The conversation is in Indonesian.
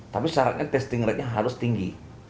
tapi syaratnya testing ratenya harus tinggi